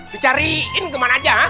dicariin kemana aja